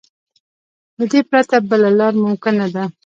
له دې پرته بله لار ممکن نه ده.